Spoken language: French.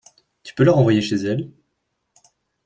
Tu peux la renvoyer chez elle?